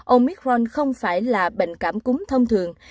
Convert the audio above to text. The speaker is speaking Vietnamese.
omicron không phải là bệnh cảm cúng thông thường